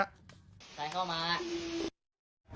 ใส่เข้ามา